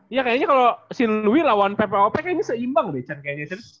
iya kayaknya kalau si louis lawan ppop kayaknya seimbang deh cen kayaknya